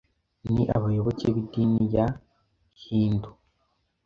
ni abayoboke b’idini ya Hinduism